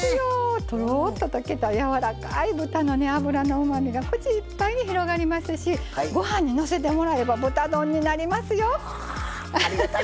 とろっと溶けたやわらかい豚に脂のうまみが口いっぱいに広がりますしご飯にのせてもらえれば豚丼になりますよ。